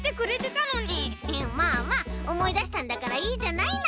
まあまあおもいだしたんだからいいじゃないの。